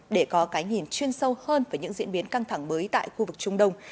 để có cái nhìn chuyên sâu hơn về những diễn biến căng thẳng mới tại khu vực trung đông